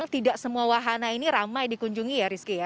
tidak semua wahana ini ramai dikunjungi ya rizky ya